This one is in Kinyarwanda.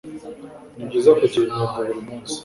Nibyiza kugira intego buri munsi